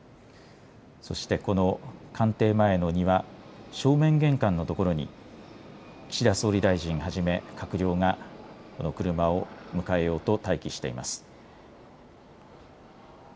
そしてこの官邸前には正面玄関の所に岸田総理大臣はじめ閣僚がこの車を迎えようと待機しています。